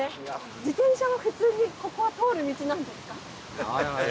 自転車は普通にここは通る道なんですか？